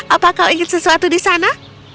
apa kau ingin sesuatu di sana